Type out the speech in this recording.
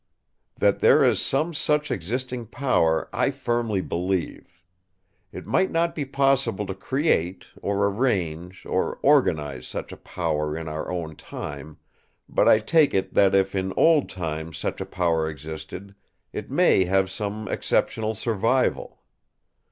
That there is some such existing power I firmly believe. It might not be possible to create, or arrange, or organise such a power in our own time; but I take it that if in Old Time such a power existed, it may have some exceptional survival.